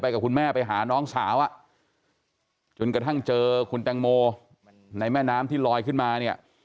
กับคุณแม่ไปหาน้องสาวจนกระทั่งเจอคุณแตงโมในแม่น้ำที่ลอยขึ้นมาเนี่ย